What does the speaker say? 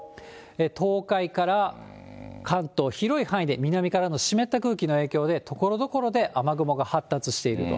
東海から関東、広い範囲で、南からの湿った空気の影響でところどころで雨雲が発達していると。